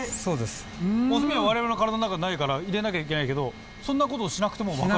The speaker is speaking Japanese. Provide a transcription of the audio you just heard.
オスミウムは我々の体にないから入れなきゃいけないけどそんなことをしなくても分かる？